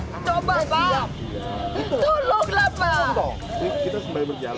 coba pak tolonglah pak